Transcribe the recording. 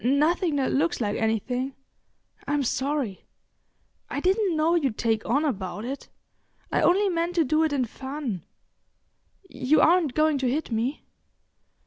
"N'nothing that looks like anything. I'm sorry—I didn't know you'd take on about it; I only meant to do it in fun. You aren't going to hit me?"